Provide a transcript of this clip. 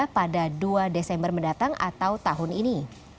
pada dua desember mendatang atau tahun ini